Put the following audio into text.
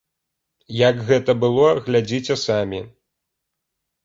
Як гэта было, глядзіце самі.